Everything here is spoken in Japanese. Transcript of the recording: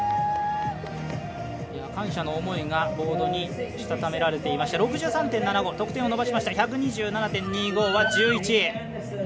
感謝の思いがボードにしたためられていまして６３．７５得点を伸ばしました１２７．２５は１１位。